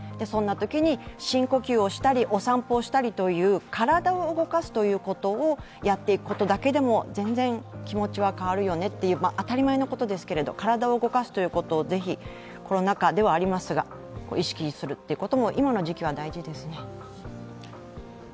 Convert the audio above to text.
そんなときに深呼吸をしたりお散歩をしたりという体を動かすということをやっていくことだけでも全然気持ちは変わるよねっていう、当たり前のことですけれど体を動かすということを、ぜひコロナ禍ではありますが意識することも今の時期は大事ですね。